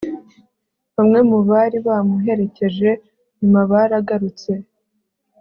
bamwe mu bari bamuherekeje, nyuma baragarutse